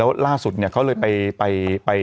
แล้วล่าสุดเนี่ยเขาเลยไป